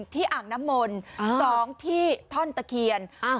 อ่างน้ำมนต์๒ที่ท่อนตะเคียน